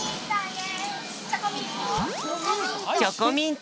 ・チョコミント？